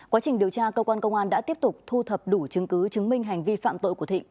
quá trình điều tra cơ quan công an đã tiếp tục thu thập đủ chứng cứ chứng minh hành vi phạm tội của thịnh